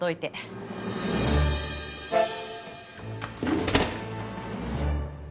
えっ？